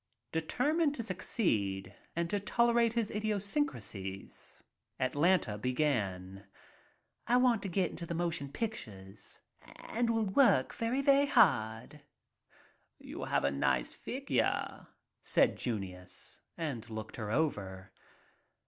Determined to succeed and to tolerate his idio syncrasies, Atlanta began: "I want to get into the motion pictures and will work very, very hard. "You have a nice figure," said Junius, and looked her over.